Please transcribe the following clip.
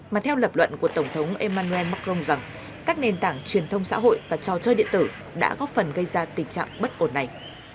mà theo lập luận của tổng thống emmanuel macron rằng các nền tảng truyền thông xã hội và trò chơi điện tử đã góp phần gây ra tình trạng bất ổn này